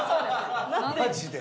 マジで。